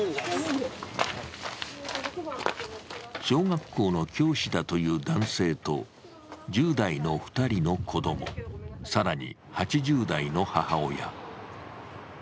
小学校の教師だという男性と、１０代の２人の子供、更に８０代の母親。